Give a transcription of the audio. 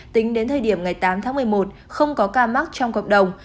tính đến thời điểm ngày tám tháng một mươi một không có ca mắc trong cộng đồng